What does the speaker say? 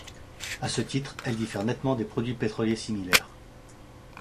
À ce titre, elle diffère nettement des produits pétroliers similaires.